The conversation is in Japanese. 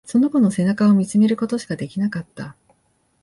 その子の背中を見つめることしかできなかった。